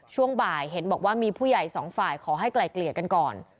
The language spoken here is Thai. ช่วงบ่ายเห็นบอกว่ามีผู้ใหญ่สองฝ่ายขอให้ไกลเกลี่ยกันก่อน